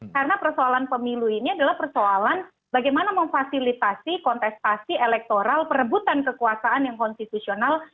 karena persoalan pemilu ini adalah persoalan bagaimana memfasilitasi kontestasi elektoral perebutan kekuasaan yang konstitusional